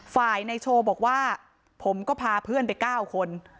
ฝ่ายในโชว์บอกว่าผมก็พาเพื่อนไป๙คน